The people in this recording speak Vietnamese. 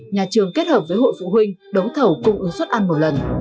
nhà trường kết hợp với hộ phụ huynh đấu thầu cung ứng suất ăn một lần